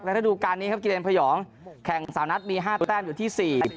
ระดูการนี้ครับกิเลนพยองแข่งสามนัดมี๕แต้มอยู่ที่สี่